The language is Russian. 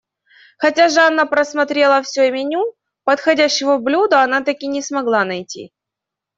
Хотя Жанна просмотрела всё меню, подходящего блюда она так и не смогла найти.